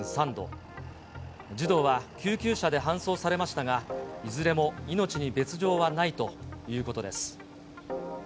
児童は救急車で搬送されましたが、いずれも命に別状はないということです。